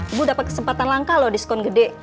ibu dapat kesempatan langka loh diskon gede